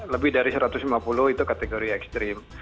lebih dari satu ratus lima puluh itu kategori ekstrim